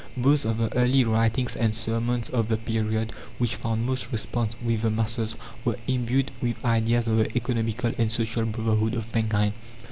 Those of the early writings and sermons of the period which found most response with the masses were imbued with ideas of the economical and social brotherhood of mankind.